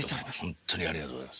ありがとうございます